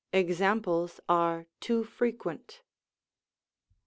examples are too frequent.